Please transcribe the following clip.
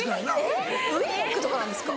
えっウインクとかなんですか？